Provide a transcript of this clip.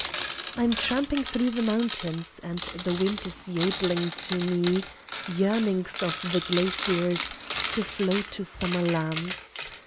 I'm tramping thro the mountains And the wind is yodling to me Yearnings of the glaciers To flow to summer lands.